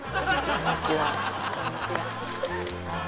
こんにちは。